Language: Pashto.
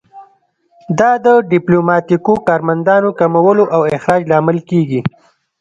دا د ډیپلوماتیکو کارمندانو کمولو او اخراج لامل کیږي